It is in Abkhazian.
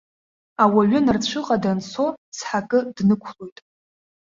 Ауаҩы нарцәыҟа данцо, цҳакы днықәлоит.